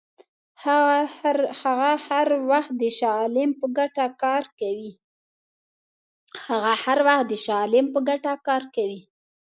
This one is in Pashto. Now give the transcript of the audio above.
هغه هر وخت د شاه عالم په ګټه کار کوي.